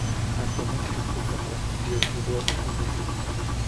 Actualmente se utiliza para partidos de fútbol y rugby.